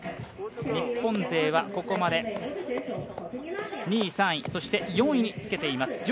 日本勢はここまで２位、３位、４位につけています。